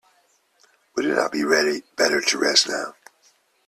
Would it not be better to rest now?